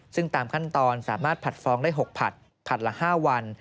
ซึ่งตามขั้นตอนสามารถผัดฟ้องได้๖ผัดผัดละ๕วัน